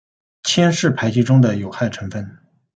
铅是排气中的有害成分。